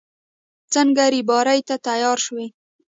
څنګه رېبارۍ ته تيار شوې.